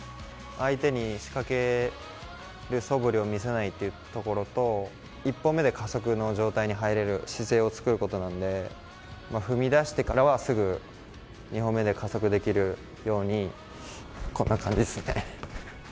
相手に仕掛けるそぶりを見せないというところと１歩目で加速の状態に入る姿勢を作るということなので踏み出してからはすぐ２歩目で加速できるようにこんな感じですね。